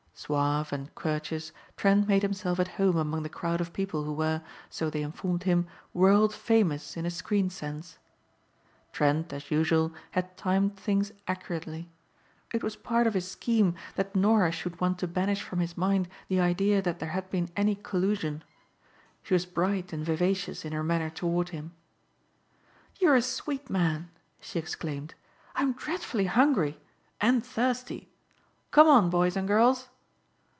Suave and courteous, Trent made himself at home among the crowd of people who were, so they informed him, world famous in a screen sense. Trent, as usual, had timed things accurately. It was part of his scheme that Norah should want to banish from his mind the idea that there had been any collusion. She was bright and vivacious in her manner toward him. "You are a sweet man," she exclaimed, "I'm dreadfully hungry and thirsty. Come on boys and girls."